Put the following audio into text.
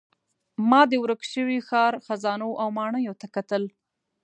ما د ورک شوي ښار خزانو او ماڼیو ته کتل.